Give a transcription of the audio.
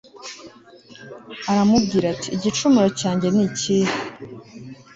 aramubwira ati “igicumuro cyanjye ni ikihe?